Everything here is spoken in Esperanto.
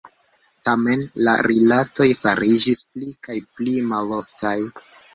Tamen, la rilatoj fariĝis pli kaj pli maloftaj.